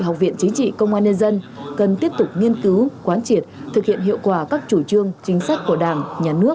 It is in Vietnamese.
học viện chính trị công an nhân dân